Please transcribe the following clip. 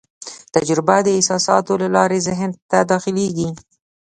تجربه د احساساتو له لارې ذهن ته داخلېږي.